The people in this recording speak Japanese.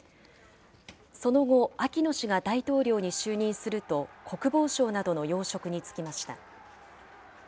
その後、アキノ氏が大統領に就任すると、国防相などの要職に就きました。